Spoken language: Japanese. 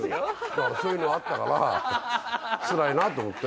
だからそういうのあったから辛いなと思って。